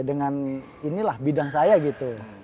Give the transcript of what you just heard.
dengan inilah bidang saya gitu